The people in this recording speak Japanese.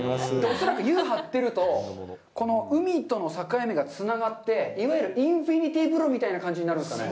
恐らく湯を張ってるとこの海との境目がつながって、いわゆるインフィニティ風呂みたいになるんですかね。